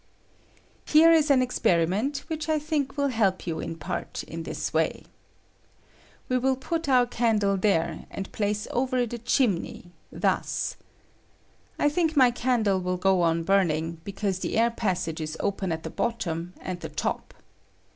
Here is an experiment ■whieh I tilink will help you in part in this way. Wo will put our candle there, and place over it a chimney, thug. I think my candle will go on burning, because the air passage is open at the bottom and the top.